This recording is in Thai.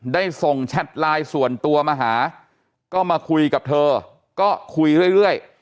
ได้ส่งแชทไลน์ส่วนตัวมาหาก็มาคุยกับเธอก็คุยเรื่อย